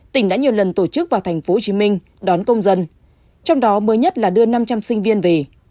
tỉnh đã nhiều lần tổ chức vào thành phố hồ chí minh đón công dân trong đó mới nhất là đưa năm trăm linh sinh viên về